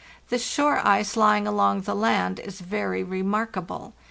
This shore ice lying along the land is very remarkable.